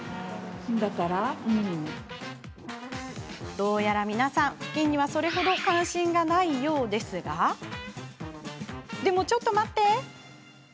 どうやら皆さん、ふきんにはそれ程、関心がないようですがでも、ちょっと待って！